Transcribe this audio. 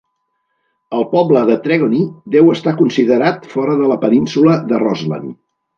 El poble de Tregony deu estar considerat fora de la península de Roseland.